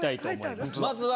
まずは。